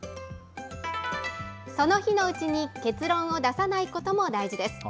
その日のうちに結論を出さないことも大事です。